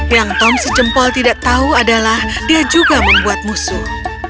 yang tom se jempol tidak tahu adalah dia juga membuat musuh